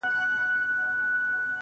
ستا د سترگو جام مي د زړه ور مات كـړ